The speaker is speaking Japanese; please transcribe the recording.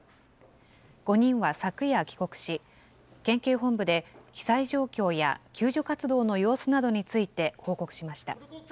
５人は昨夜帰国し、県警本部で被災状況や救助活動の様子などについて、報告しました。